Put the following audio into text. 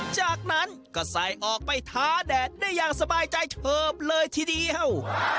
จากนั้นก็ใส่ออกไปท้าแดดได้อย่างสบายใจเฉิบเลยทีเดียว